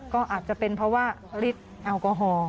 ก็อาจจะเป็นเพราะว่าฤทธิ์แอลกอฮอล์